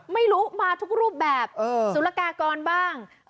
ไม่รู้มาทุกรูปแบบสุรกากรบ้าง